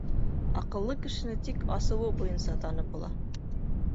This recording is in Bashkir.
Аҡыллы кешене тик асыуы буйынса танып була.